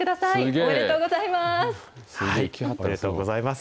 おめでとうございます。